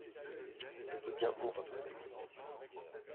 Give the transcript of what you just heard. Je veux bien, mon papa.